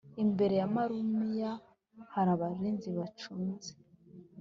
Imbere y'amarumiya hari abarinzi bayacunze